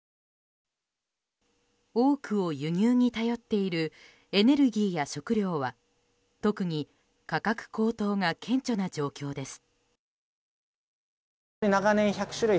多くを輸入に頼っているエネルギーや食料は特に価格高騰が顕著な状況です。